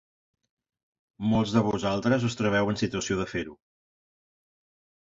Molts de vosaltres us trobeu en situació de fer-ho.